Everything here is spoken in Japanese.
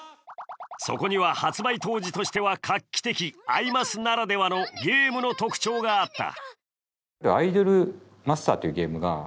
そこには発売当時としては画期的「アイマス」ならではのゲームの特徴があった。